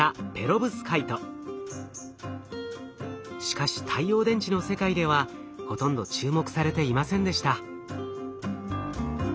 しかし太陽電池の世界ではほとんど注目されていませんでした。